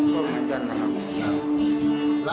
ก็เหมือนกันนะครับ